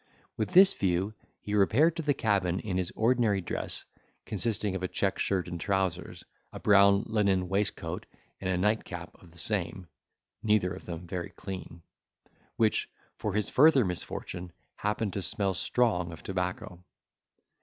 With this view he repaired to the cabin in his ordinary dress, consisting of a check shirt and trousers, a brown linen waistcoat, and a nightcap of the same (neither of them very clean,) which, for his further misfortune, happened to smell strong of tobacco.